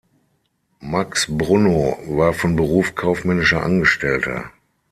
Max Brunnow war von Beruf kaufmännischer Angestellter.